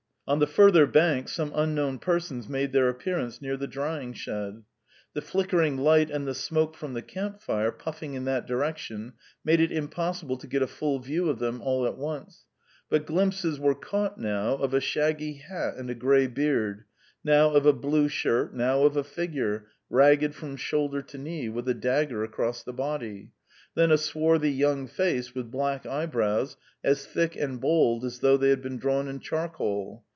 On the further bank some unknown persons made their appearance near the drying shed. The flickering light and the smoke from the camp fire puffing in that direction made it impossible to get a full view of them all at once, but glimpses were caught now of a shaggy hat and a grey beard, now of a blue shirt, now of a figure, ragged from shoulder to knee, with a dagger across the body; then a swarthy young face with black eyebrows, as thick and bold as though they had been drawn in charcoal.